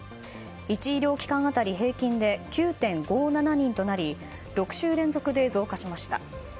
１医療機関当たり平均で９．５７人となり６週連続で増加しました。